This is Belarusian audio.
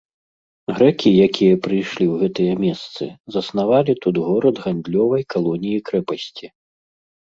Грэкі, якія прыйшлі ў гэтыя месцы, заснавалі тут горад гандлёвай калоніі-крэпасці.